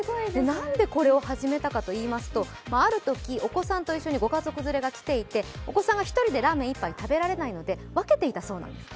なんでこれを始めたかと言いますと、あるとき、お子さんと一緒にご家族連れが来ていてお子さんが１人でラーメン１杯食べられないので分けていたそうなんです。